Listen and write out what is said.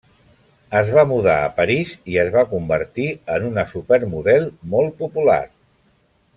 Es va mudar a París i es va convertir en una supermodel molt popular.